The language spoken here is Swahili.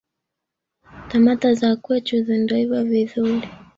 Tamata za kwechu zindoiva vidhuri